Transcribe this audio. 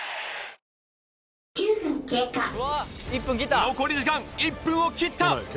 あ残り時間１分を切った！